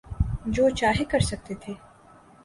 جو چاہے کر سکتے تھے۔